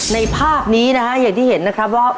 ในภาพนี้นะฮะอย่างที่เห็นนะครับว่า